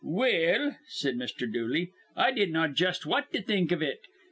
"Well," said Mr. Dooley, "I dinnaw jus' what to think iv it.